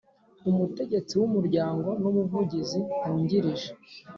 Umutegetsi w umuryango n Umuvugizi wungirije